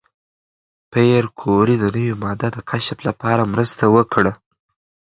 پېیر کوري د نوې ماده د کشف لپاره مرسته وکړه.